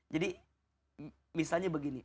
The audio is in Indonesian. jadi misalnya begini